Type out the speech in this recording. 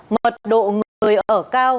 mật độ người ở cao